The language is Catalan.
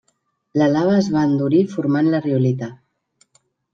La lava es va endurir formant la riolita.